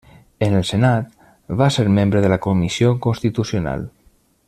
En el Senat va ser membre de la Comissió Constitucional.